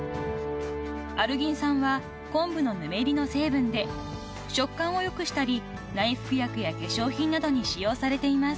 ［アルギン酸はコンブのぬめりの成分で食感を良くしたり内服薬や化粧品などに使用されています］